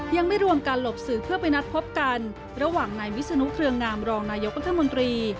ยังไม่รวมการหลบสื่อเพื่อไปนัดพบกันระหว่างนายวิศนุเครืองามรองนายกรัฐมนตรี